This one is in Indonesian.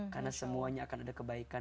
karena semuanya akan ada kebaikan